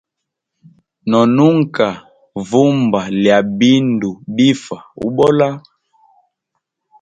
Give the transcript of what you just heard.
No nunka vumba lya bindu bifa ubola.